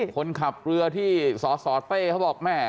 คนขับเรือที่สสเต้เขาบอกแม่